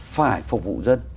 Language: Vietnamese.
phải phục vụ dân